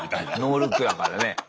ノールックだからね。